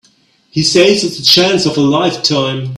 He says it's the chance of a lifetime.